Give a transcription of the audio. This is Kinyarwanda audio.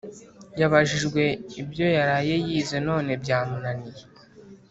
Yabajijwe ibyo yaraye yize none byamunaniye